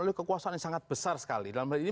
oleh kekuasaan yang sangat besar sekali